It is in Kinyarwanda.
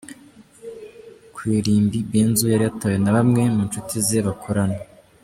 Ku irimbi Benzo yari yatabawe na bamwe mu nshuti ze bakorana.